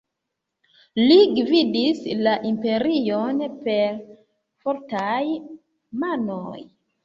Li gvidis la imperion per fortaj manoj.